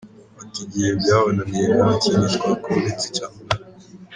Ati “Igihe byabananiye nta kindi twakora uretse cyamunara.